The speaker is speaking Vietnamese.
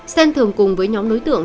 sen thường cùng với nhóm đối tượng